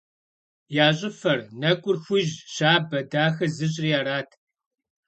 Я щӏыфэр, нэкӏур хужь, щабэ, дахэ зыщӏри арат.